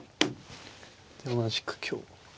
同じく香。